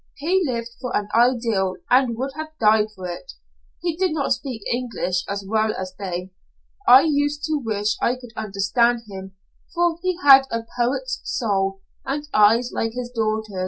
He lived for an ideal and would have died for it. He did not speak English as well as they. I used to wish I could understand him, for he had a poet's soul, and eyes like his daughter's.